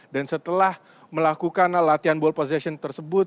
dan setelah melakukan latihan ball possession tersebut